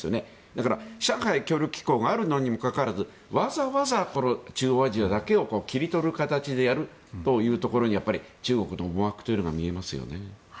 だから、上海協力機構があるのにもかかわらずわざわざ、この中央アジアだけを切り取る形でやるというところにやっぱり中国の思惑が見えますよね。